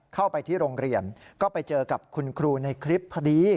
เข้าไปที่โรงเรียนก็ไปเจอกับคุณครูในคลิปพอดี